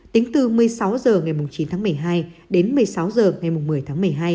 tính từ một mươi sáu h ngày chín tháng một mươi hai đến một mươi sáu h ngày một mươi tháng một mươi hai